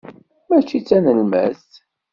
Mačči d tanelmadt.